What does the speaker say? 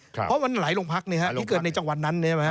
เพราะว่านั้นหลายโรงพรรคทีเกิดในจังหวันงั้น